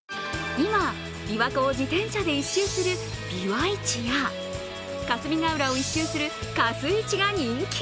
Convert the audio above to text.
今、琵琶湖を自転車で１周するビワイチや霞ヶ浦を１周するカスイチが人気。